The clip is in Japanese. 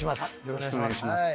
よろしくお願いします